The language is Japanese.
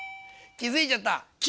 気付いちゃった！